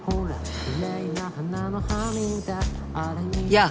やあ。